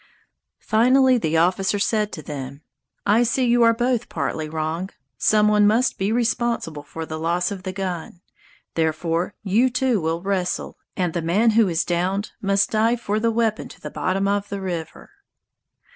Finally the officer said to them, "I see you are both partly wrong. Some one must be responsible for the loss of the gun; therefore, you two will wrestle, and the man who is downed must dive for the weapon to the bottom of the river."